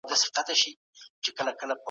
ډیپلوماټان چیري د بندیانو حقونه څاري؟